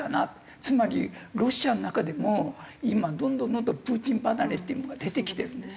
つまりロシアの中でも今どんどんどんどんプーチン離れっていうのが出てきてるんですよ。